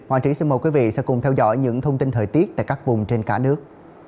hoàng trí xin mời quý vị sẽ cùng theo dõi những thông tin thời tiết tại các vùng trên cả nước